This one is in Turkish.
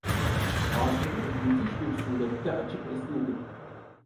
Ağzını müthiş bir surette açıp esnedi.